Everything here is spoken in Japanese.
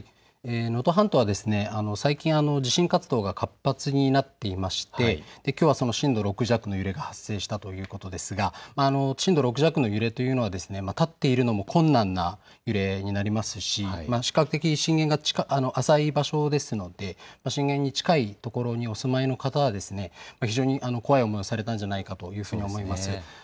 能登半島は最近、地震活動が活発になっていまして、きょうはその震度６弱の揺れが発生したということですが震度６弱の揺れというのは立っているのも困難な揺れになりますし比較的、震源が浅い場所ですので震源に近い所にお住まいの方は、非常に怖い思いをされたのではないかと思います。